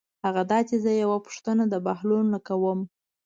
هغه دا چې زه یوه پوښتنه د بهلول نه کوم.